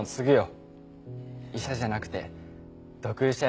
医者じゃなくて毒医者